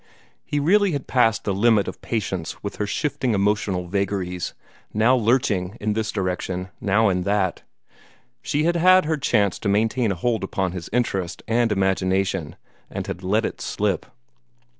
He really had passed the limit of patience with her shifting emotional vagaries, now lurching in this direction, now in that. She had had her chance to maintain a hold upon his interest and imagination, and had let it slip.